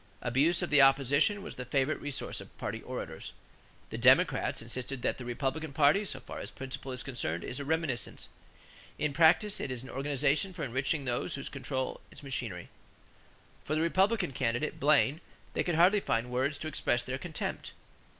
Abuse of the opposition was the favorite resource of party orators. The Democrats insisted that "the Republican party so far as principle is concerned is a reminiscence. In practice it is an organization for enriching those who control its machinery." For the Republican candidate, Blaine, they could hardly find words to express their contempt.